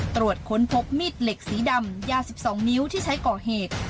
ตรวจค้นพบมีดเหล็กสีดำยา๑๒นิ้วที่ใช้ก่อเหตุ